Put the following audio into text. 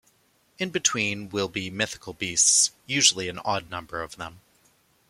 In between will be mythical beasts, usually an odd number of them.